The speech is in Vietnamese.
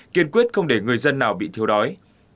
kiên quyết không để người dân nào bị thiếu đói